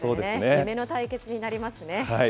夢の対決になりますね。